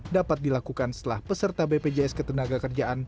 dapat dilakukan setelah peserta bpjs ketenagakerjaan